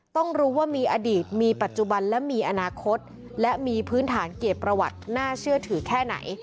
ต้องรู้ว่ามีอดีตมีปัจจุบันและมีอนาคตและมีพื้นฐานเกียรติประวัติน่าเชื่อถือแค่ไหน